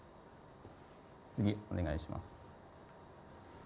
次、お願いします。